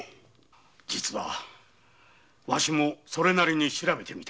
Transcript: わしもそれなりに調べてみた。